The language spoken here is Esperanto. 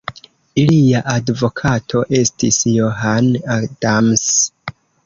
Ilia advokato estis John Adams.